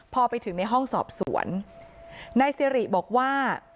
พอไปถึงในห้องสอบสวนนายสิริบอกว่า